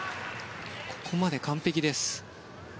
ここまで完璧です。